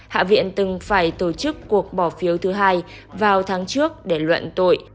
hạ viện từng phải tổ chức cuộc bỏ phiếu thứ hai vào tháng trước để luận tội